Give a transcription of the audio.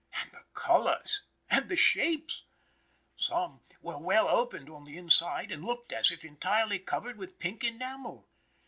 And the colors! And the shapes! Some were well opened on the inside, and looked as if entirely covered with pink enamel.